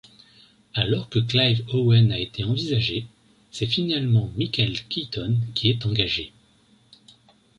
Alors que Clive Owen a été envisagé, c'est finalement Michael Keaton qui est engagé.